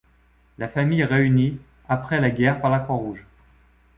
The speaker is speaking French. La famille est réunie après la guerre par la Croix-Rouge.